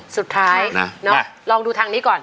สุดท้ายลองดูทางนี้ก่อน